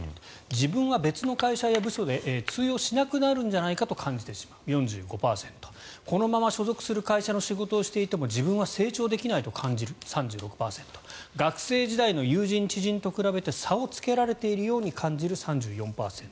自分は別の会社や部署で通用しなくなるんじゃないかと感じてしまう４５％このまま所属する会社の仕事をしていても自分は成長できないと感じる３６％学生時代の友人・知人と比べて差をつけられてるように感じる３４％